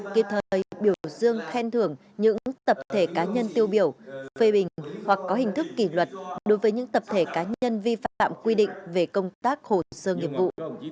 kịp thời biểu dương khen thưởng những tập thể cá nhân tiêu biểu phê bình hoặc có hình thức kỷ luật đối với những tập thể cá nhân vi phạm quy định về công tác hồ sơ nghiệp vụ